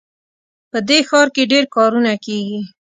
په دې ښار کې ډېر کارونه کیږي